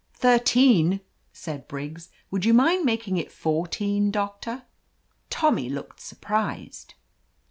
"Thirteen !" said Briggs. "Would you mind making it fourteen, Doctor?" Tommy looked surprised.